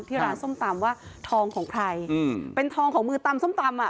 ร้านส้มตำว่าทองของใครอืมเป็นทองของมือตำส้มตำอ่ะ